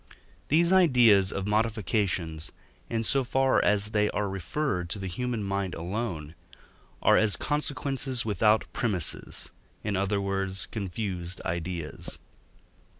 These ideas of modifications, in so far as they are referred to the human mind alone, are as consequences without premisses, in other words, confused ideas.